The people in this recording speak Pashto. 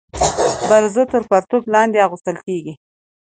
برزو تر پرتوګ لاندي اغوستل کيږي.